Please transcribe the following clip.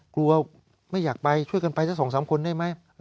กลัวไม่อยากไปช่วยกันไปสัก๒๓คนได้ไหม